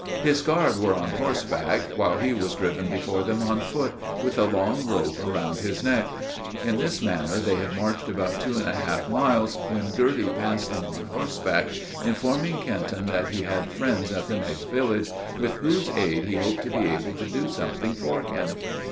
His guard were on horseback, while he was driven before them on foot, with a long rope round his neck. In this manner they had marched about two and a half miles, when Girty passed them on horseback, informing Kenton that he had friends at the next village, with whose aid he hoped to be able to do something for him.